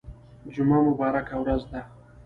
جمعه مبارکه ورځ ده